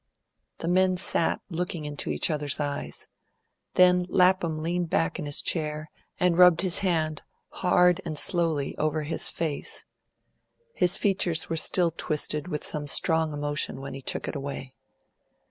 The men sat looking into each other's eyes. Then Lapham leaned back in his chair, and rubbed his hand hard and slowly over his face. His features were still twisted with some strong emotion when he took it away.